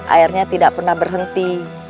airnya tidak pernah berhenti